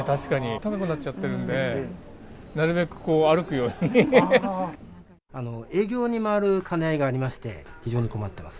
高くなっちゃってるんで、営業に回る兼ね合いがありまして、非常に困ってます。